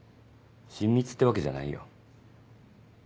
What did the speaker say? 親密ってわけじゃないよ。